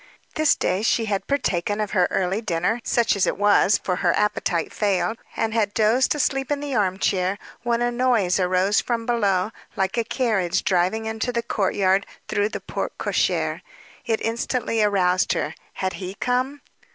This day she had partaken of her early dinner such as it was, for her appetite failed and had dozed asleep in the arm chair, when a noise arose from below, like a carriage driving into the courtyard through the porte cochere. It instantly aroused her. Had he come?